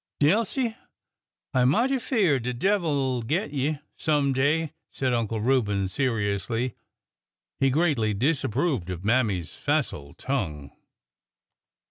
" Dilsey, I mighty 'feard de devil 'll git you, some day," said Uncle Reuben, seriously. He greatly disap proved of Mammy's facile tongue.